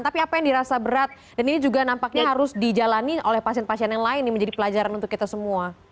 tapi apa yang dirasa berat dan ini juga nampaknya harus dijalani oleh pasien pasien yang lain yang menjadi pelajaran untuk kita semua